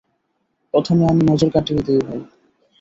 প্রথমে আমি নজর কাটিয়ে দি ভাই।